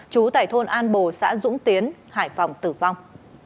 trú tại thôn an bồ xã dũng tiến hải phòng tử vong